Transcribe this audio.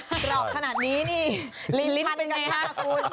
กรอบขนาดนี้นี่ลินพันกันค่ะคุณ